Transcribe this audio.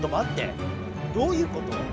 どういうこと？